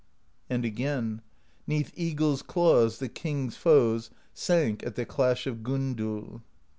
And again: 'Neath eagles' claws the king's foes Sank at the Clash of Gondul.